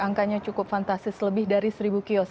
oke angkanya cukup fantasis lebih dari seribu kios